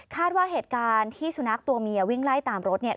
ว่าเหตุการณ์ที่สุนัขตัวเมียวิ่งไล่ตามรถเนี่ย